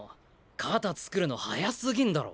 肩つくるの早すぎんだろ！